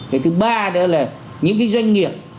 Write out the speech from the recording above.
cái thứ ba nữa là những cái doanh nghiệp